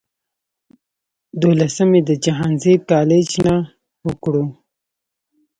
دولسم ئې د جهانزيب کالج نه اوکړو